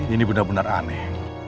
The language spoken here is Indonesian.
ini benar benar aneh